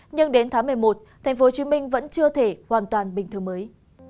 nhưng đến tháng một mươi một tp hcm vẫn chưa thể hoàn toàn bình thường mới